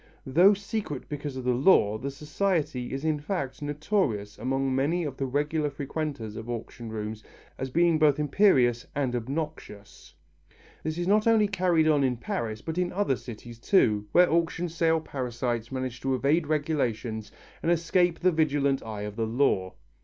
Though secret because of the law, the society is in fact notorious among many of the regular frequenters of auction rooms as being both imperious and obnoxious. This is not only carried on in Paris but in other cities too, where auction sale parasites manage to evade regulations and escape the vigilant eye of the law.